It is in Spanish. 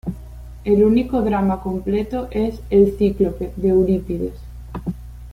El único drama completo es "El Cíclope" de Eurípides.